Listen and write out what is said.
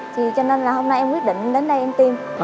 thì cho nên là hôm nay em quyết định đến đây em tiêm